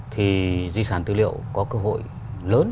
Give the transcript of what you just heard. thì di sản thư liệu có cơ hội lớn